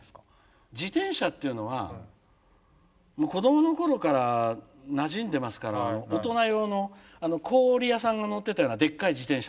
自転車っていうのは子どもの頃からなじんでますから大人用の氷屋さんが乗ってたようなでっかい自転車。